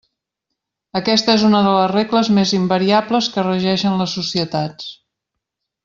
Aquesta és una de les regles més invariables que regeixen les societats.